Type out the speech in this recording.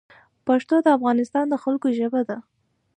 پښتو د افغانستان د خلګو ژبه ده